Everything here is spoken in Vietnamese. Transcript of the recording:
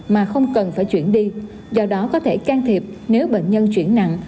mà không cần phải chuyển đi do đó có thể can thiệp nếu bệnh nhân chuyển nặng